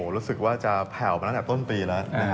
รู้สึกว่าจะแผ่วมาตั้งแต่ต้นปีแล้ว